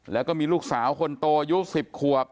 แล้วก็มีลูกสาวคนโตอายุ๑๐ขวบ